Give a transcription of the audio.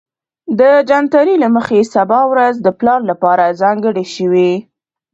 د جنتري له مخې سبا ورځ د پلار لپاره ځانګړې شوې